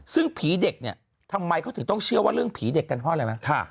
ซึ่งผีเด็กเนี่ยทำไมเขาถึงต้องเชื่อว่าเรื่องผีเด็กกันเพราะอะไรไหม